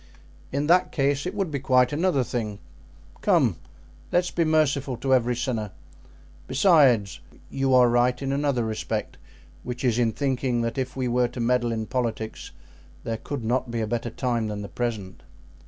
"In that case it would be quite another thing. Come! let's be merciful to every sinner! Besides, you are right in another respect, which is in thinking that if we were to meddle in politics there could not be a better time than the present."